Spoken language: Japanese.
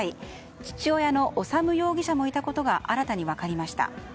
父親の修容疑者もいたことが新たに分かりました。